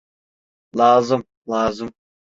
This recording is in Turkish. Lazım, lazım…